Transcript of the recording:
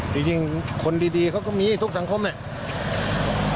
จริงคนดีเขาก็มีทุกสังคมแหละ